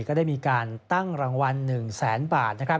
ก็ได้มีการตั้งรางวัล๑๐๐๐๐๐บาท